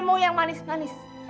mau yang manis manis